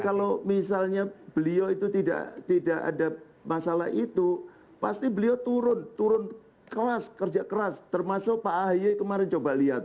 kalau misalnya beliau itu tidak ada masalah itu pasti beliau turun turun kelas kerja keras termasuk pak ahy kemarin coba lihat